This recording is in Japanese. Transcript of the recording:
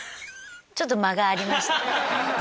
ちょっと間がありましたね